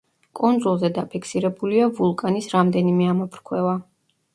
კუნძულზე დაფიქსირებულია ვულკანის რამდენიმე ამოფრქვევა.